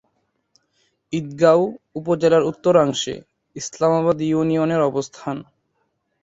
ঈদগাঁও উপজেলার উত্তরাংশে ইসলামাবাদ ইউনিয়নের অবস্থান।